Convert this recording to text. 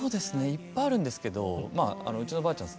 いっぱいあるんですけどうちのおばあちゃん